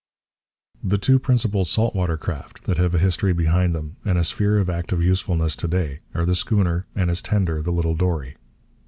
The two principal salt water craft that have a history behind them and a sphere of active usefulness to day are the schooner and its tender, the little dory.